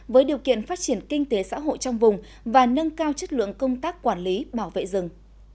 với điều kiện phát triển kinh tế xã hội trong vùng và nâng cao chất lượng công tác quản lý bảo vệ rừng